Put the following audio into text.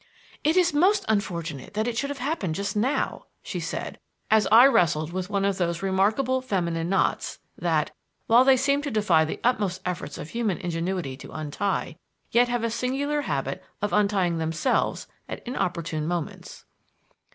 "It is most unfortunate that it should have happened just now," she said, as I wrestled with one of those remarkable feminine knots that, while they seem to defy the utmost efforts of human ingenuity to untie, yet have a singular habit of untying themselves at inopportune moments.